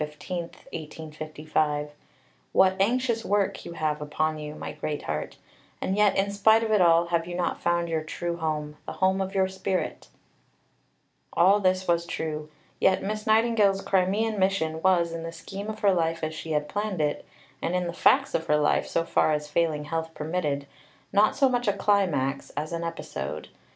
15, 1855): "What anxious work you have upon you, my Greatheart, and yet in spite of it all have you not found your true home the home of your spirit?" See below, p. 385, and above, p. 102. Above, p. 94. All this was true. Yet Miss Nightingale's Crimean mission was, in the scheme of her life as she had planned it, and in the facts of her life so far as failing health permitted, not so much a climax, as an episode.